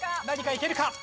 何かいけるか？